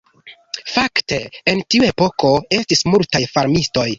Fakte en tiu epoko estis multaj farmistoj.